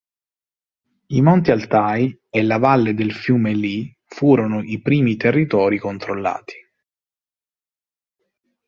I Monti Altaj e la valle del fiume Ili furono i primi territori controllati.